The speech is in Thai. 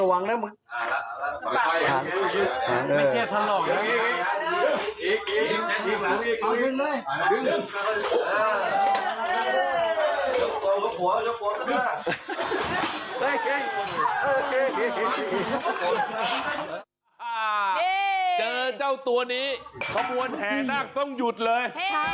เจอเจ้าตัวนี้ขบวนแห่นาคต้องหยุดเลย